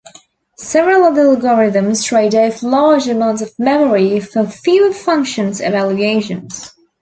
Several other algorithms trade off larger amounts of memory for fewer function evaluations.